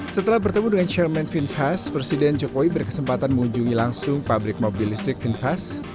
setelah bertemu dengan chairman finfast presiden jokowi berkesempatan mengunjungi langsung pabrik mobil listrik finfast